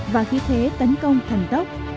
và khí thế tấn công thần tốc